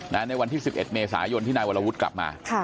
ในวันที่๑๑เมษายนที่นายวรวุฒิกลับมา